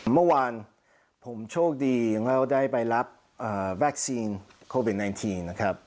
เมื่อวานผมโชคดีแล้วได้ไปรับแว็กซีนโควิด๑๙